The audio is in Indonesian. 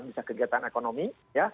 bisa kegiatan ekonomi ya